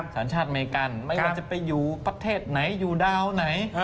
สัญชาติอเมริกันไม่ว่าจะไปอยู่ประเทศไหนอยู่ดาวไหน